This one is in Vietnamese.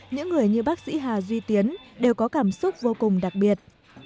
những người như bác sĩ hà duy tiến đều có cảm xúc vô cùng đặc biệt